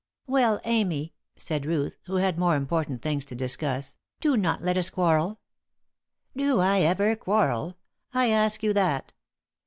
"Well, Amy," said Ruth, who had more important things to discuss, "do not let us quarrel." "Do I ever quarrel? I ask you that!"